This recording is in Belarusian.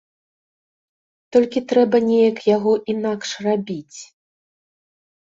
Толькі трэба неяк яго інакш рабіць.